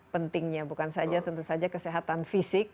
pentingnya bukan saja tentu saja kesehatan fisik